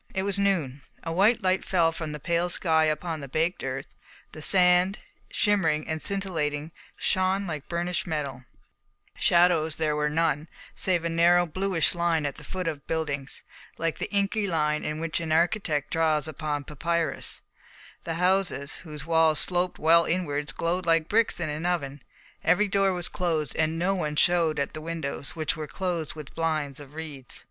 It was noon. A white light fell from the pale sky upon the baked earth; the sand, shimmering and scintillating, shone like burnished metal; shadows there were none, save a narrow, bluish line at the foot of buildings, like the inky line with which an architect draws upon papyrus; the houses, whose walls sloped well inwards, glowed like bricks in an oven; every door was closed, and no one showed at the windows, which were closed with blinds of reeds.